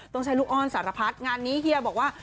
ต้องใช้ลูกอ้อนสารพัดงานนี้เฮียบอกว่า